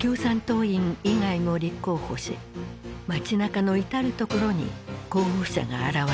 共産党員以外も立候補し街なかの至る所に候補者が現れた。